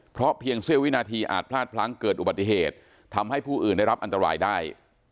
เพราะเพียงเสี้ยววินาทีอาจพลาดพลั้งเกิดอุบัติเหตุทำให้ผู้อื่นได้รับอันตรายได้